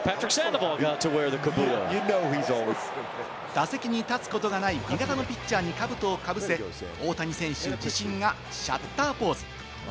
打席に立つことがない味方のピッチャーに兜をかぶせ、大谷選手自身がシャッターポーズ。